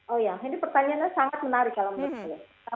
oh ya ini pertanyaannya sangat menarik kalau menurut saya